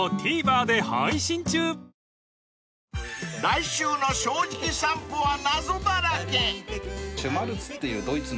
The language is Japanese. ［来週の『正直さんぽ』は謎だらけ］